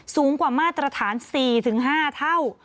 สูงกว่ามาตรฐาน๔๕เท่า